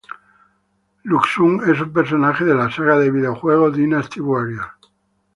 Lu Xun es un personaje de la saga de videojuegos Dynasty Warriors.